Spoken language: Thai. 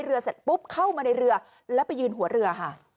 เรือเสร็จปุ๊บเข้าไว้ในเรือและไปยืนหัวเรือ